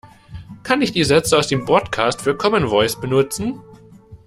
Kann ich die Sätze aus dem Bordcast für Commen Voice benutzen?